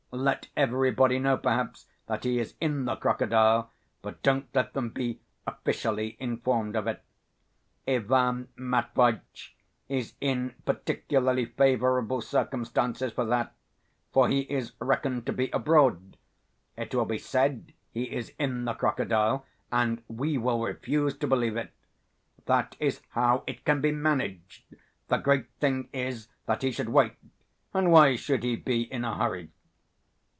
Let everybody know, perhaps, that he is in the crocodile, but don't let them be officially informed of it. Ivan Matveitch is in particularly favourable circumstances for that, for he is reckoned to be abroad. It will be said he is in the crocodile, and we will refuse to believe it. That is how it can be managed. The great thing is that he should wait; and why should he be in a hurry?"